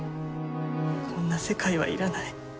こんな世界はいらない。